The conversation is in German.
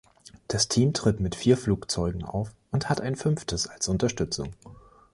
Das Team tritt mit vier Flugzeugen auf und hat ein fünftes als Unterstützung.